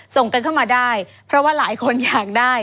ส่งกันเข้ามาได้เพราะว่าหลายคนอยากได้